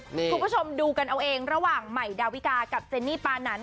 คุณผู้ชมดูกันเอาเองระหว่างใหม่ดาวิกากับเจนนี่ปานัน